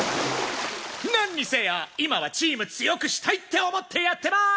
なんにせよ今はチーム強くしたいって思ってやってまーす！